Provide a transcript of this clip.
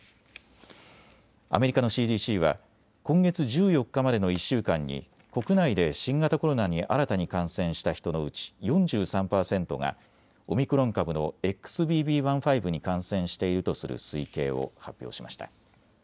アメリカのＣＤＣは今月１４日までの１週間に国内で新型コロナに新たに感染した人のうち４３％がオミクロン株のＸＢＢ．１．５に感染しているとする推計を発表しました。